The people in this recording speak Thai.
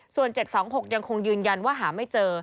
ส่วน๗๒๖ยังคงยืนยันว่าหาไม่เจอ